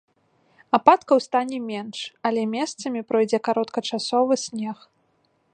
Ападкаў стане менш, але месцамі пройдзе кароткачасовы снег.